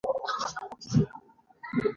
منظم ذهن روښانه فکر لري.